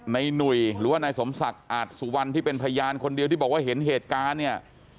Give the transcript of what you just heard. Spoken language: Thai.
หนุ่ยหรือว่านายสมศักดิ์อาจสุวรรณที่เป็นพยานคนเดียวที่บอกว่าเห็นเหตุการณ์เนี่ย